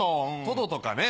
トドとかね。